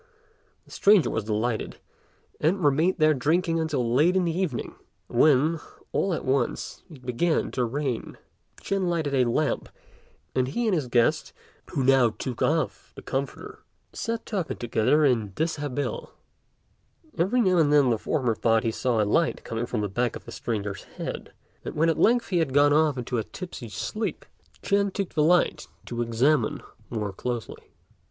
The stranger was delighted, and remained there drinking until late in the evening, when, all at once, it began to rain. Ch'ên lighted a lamp; and he and his guest, who now took off the comforter, sat talking together in dishabille. Every now and again the former thought he saw a light coming from the back of the stranger's head; and when at length he had gone off into a tipsy sleep, Ch'ên took the light to examine more closely.